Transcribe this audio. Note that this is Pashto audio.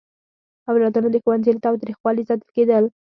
اولادونه د ښوونځي له تاوتریخوالي ساتل کېدل.